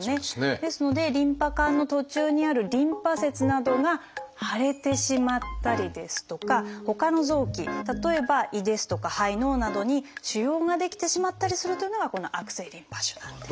ですのでリンパ管の途中にあるリンパ節などが腫れてしまったりですとかほかの臓器例えば胃ですとか肺脳などに腫瘍が出来てしまったりするというのがこの悪性リンパ腫なんです。